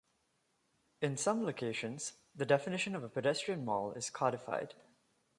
In some locations, the definition of a pedestrian mall is codified.